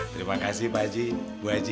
terima kasih pak haji bu aji